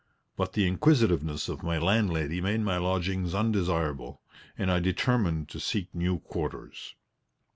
But the inquisitiveness of my landlady made my lodgings undesirable and I determined to seek new quarters.